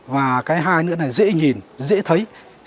và cái hai nữa là dễ nhìn dễ thấy